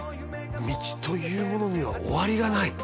「道というものには終わりがない」